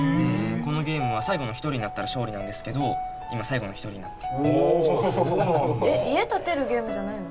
このゲームは最後の一人になったら勝利なんですけど今最後の一人になったおおそうなんだえっ家建てるゲームじゃないの？